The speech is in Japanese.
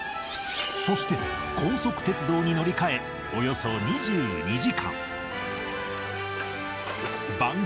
そして、高速鉄道に乗り換え、およそ２２時間。